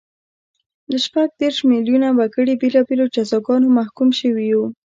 له شپږ دېرش میلیونه وګړي بېلابېلو جزاګانو محکوم شوي وو